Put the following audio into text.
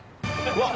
うわっ！